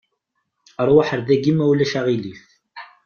Aṛwaḥ ar daki ma ulac aɣilif.